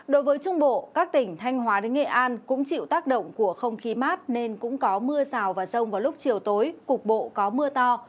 đối với trung bộ các tỉnh thanh hóa đến nghệ an cũng chịu tác động của không khí mát nên cũng có mưa rào và rông vào lúc chiều tối cục bộ có mưa to